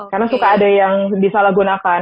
karena suka ada yang disalahgunakan